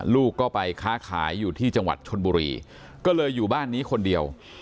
ลูกก็ไปค้าขายอยู่ที่จังหวัดชนบุรีก็เลยอยู่บ้านนี้คนเดียว